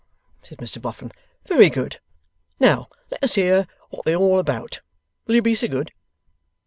said Mr Boffin. 'Very good! Now let us hear what they're all about; will you be so good?